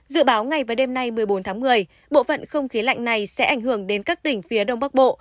dự báo ngày và đêm nay một mươi bốn tháng một mươi bộ phận không khí lạnh này sẽ ảnh hưởng đến các tỉnh phía đông bắc bộ